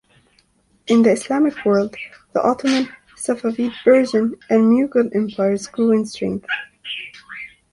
In the Islamic world, the Ottoman, Safavid Persian and Mughal empires grew in strength.